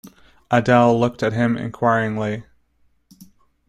Adele looked at him inquiringly.